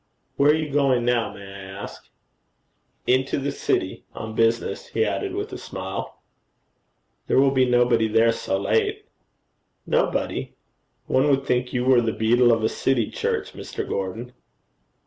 'Where are you going now, may I ask?' 'Into the city on business,' he added with a smile. 'There will be nobody there so late.' 'Nobody! One would think you were the beadle of a city church, Mr. Gordon.'